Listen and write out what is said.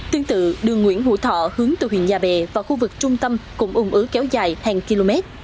tương tự đường nguyễn hữu thọ hướng từ huyện nhà bè vào khu vực trung tâm cũng ủng ứ kéo dài hàng km